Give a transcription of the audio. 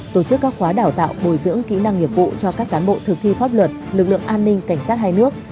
tổ chức các khóa đào tạo bồi dưỡng kỹ năng nghiệp vụ cho các cán bộ thực thi pháp luật lực lượng an ninh cảnh sát hai nước